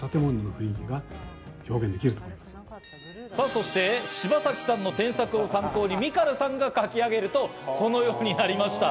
そして柴崎さんの添削を参考に、ミカルさんが描き上げると、このようになりました。